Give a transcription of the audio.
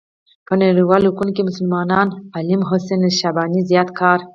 په نړيوالو حقوقو کې مسلمان عالم حسن الشيباني زيات کار